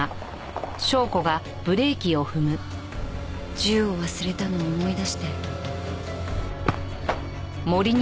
銃を忘れたのを思い出して。